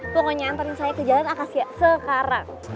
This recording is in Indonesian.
pokoknya antarin saya ke jalan akasia sekarang